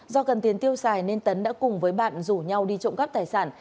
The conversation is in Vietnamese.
do cần tiền tiêu xài nên tấn đã cùng với bạn rủ nhau đi trộm cắp tài sản